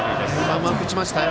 うまく打ちましたよ。